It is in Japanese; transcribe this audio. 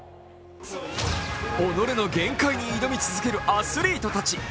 己の限界に挑み続けるアスリートたち。